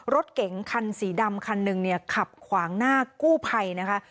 รถเก๋งคันสีดำคันหนึ่งเนี่ยขับขวางหน้ากู้ภัยนะคะ